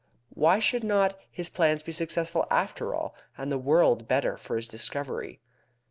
Why should not his plans be successful after all, and the world better for his discovery?